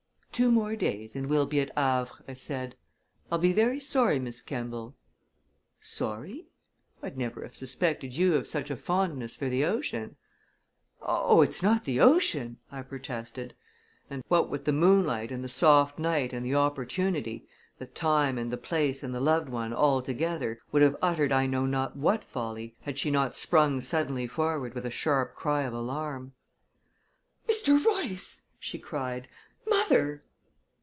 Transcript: "Two more days, and we'll be at Havre," I said. "I'll be very sorry, Miss Kemball." "Sorry? I'd never have suspected you of such a fondness for the ocean!" "Oh, it's not the ocean!" I protested, and what with the moonlight and the soft night and the opportunity "the time and the place and the loved one, all together" would have uttered I know not what folly, had she not sprung suddenly forward with a sharp cry of alarm. "Mr. Royce!" she cried. "Mother!"